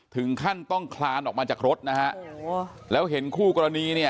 ถึงขั้นต้องคลานออกมาจากรถนะฮะแล้วเห็นคู่กรณีเนี่ย